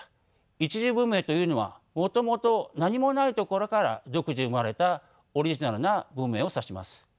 一次文明というのはもともと何もないところから独自に生まれたオリジナルな文明を指します。